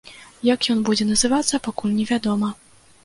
Як ён будзе называцца, пакуль невядома.